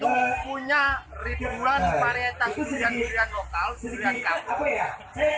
baju mas kota jawa tengah itu punya ribuan varietas durian durian lokal durian kampung